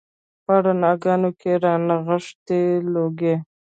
په رڼاګانو کې رانغښي لوګي